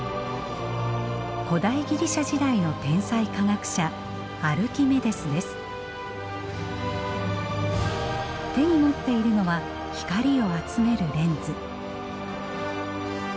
古代ギリシャ時代の天才科学者手に持っているのは光を集めるレンズ。